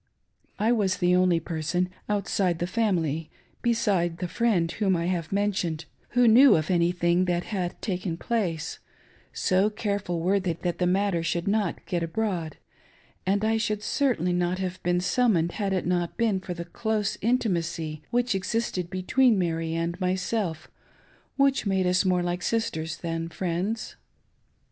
I was the only person, outside the family, beside the friend whom I have mentioned, who knew of any thing that had taken place — so easeful were they that the matter should not get abroad ; and I should certainly not have been summoned had it not been for the close intimacy which existed between Mary and myself, which made us more like sisters than friends.